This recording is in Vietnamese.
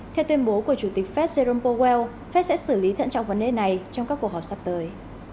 theo tuyên bố của chủ tịch fed jerom powell fed sẽ xử lý thận trọng vấn đề này trong các cuộc họp sắp tới